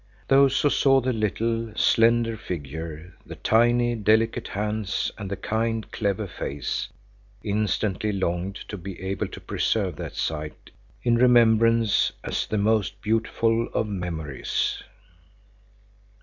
Those who saw the little, slender figure, the tiny, delicate hands and the kind, clever face, instantly longed to be able to preserve that sight in remembrance as the most beautiful of memories.